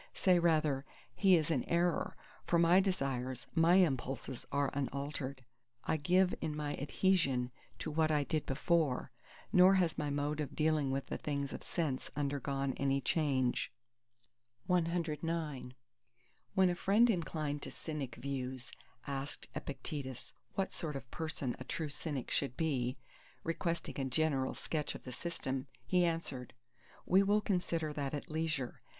Say rather: He is in error; for my desires, my impulses are unaltered. I give in my adhesion to what I did before; nor has my mode of dealing with the things of sense undergone any change. CX When a friend inclined to Cynic views asked Epictetus, what sort of person a true Cynic should be, requesting a general sketch of the system, he answered:—"We will consider that at leisure.